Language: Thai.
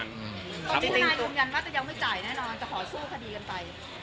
ตอนนี้ทนายยืนยันว่าจะยังไม่จ่ายแน่นอนจะขอสู้คดีกันไป